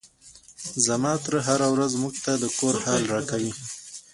زما تره هره ورځ موږ ته د کور حال راکوي.